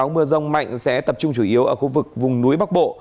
mưa rông mạnh sẽ tập trung chủ yếu ở khu vực vùng núi bắc bộ